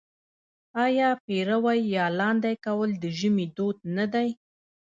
آیا پېروی یا لاندی کول د ژمي دود نه دی؟